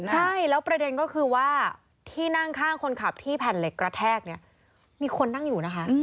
ใช่แล้วประเด็นก็คือว่าที่นั่งข้างคนขับที่แผ่นเหล็กกระแทกเนี่ยมีคนนั่งอยู่นะคะ